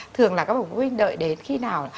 thường là các bậc phụ huynh đợi đến khi nào